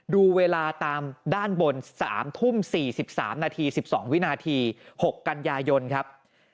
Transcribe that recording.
ดูเวลาตามด้านบน๓ทุ่ม๔๓นาที๑๒วินาที๖กันยายนครับ